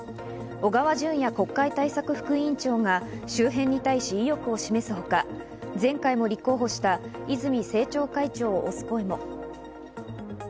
小川淳也国会対策副委員長が周辺に対し意欲を示すほか前回も立候補した泉政調会長を推す声も。